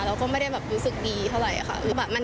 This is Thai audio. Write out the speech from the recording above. เราก็ไม่ได้แบบรู้สึกดีเท่าไหร่ค่ะ